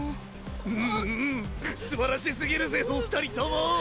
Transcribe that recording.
うんうんすばらしすぎるぜお二人とも。